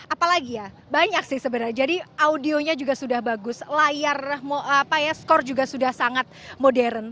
apalagi ya banyak sih sebenarnya jadi audionya juga sudah bagus layar skor juga sudah sangat modern